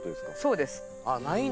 そうです。